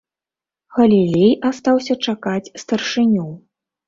Галілей астаўся чакаць старшыню.